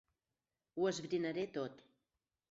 Ho esbrinaré tot.